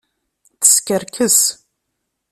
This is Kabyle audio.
Teskerkes.